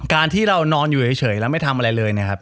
การที่เรานอนอยู่เฉยแล้วไม่ทำอะไรเลยนะครับ